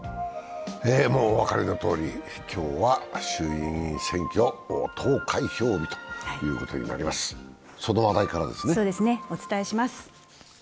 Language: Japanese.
もうお分かりのとおり、今日は衆議院選挙投開票日ということになります。